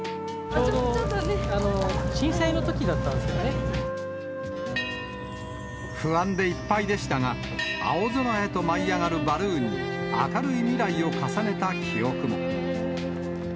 ちょうど、不安でいっぱいでしたが、青空へと舞い上がるバルーンに、明るい未来を重ねた記憶も。